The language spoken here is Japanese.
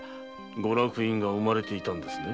御落胤が生まれていたんですね。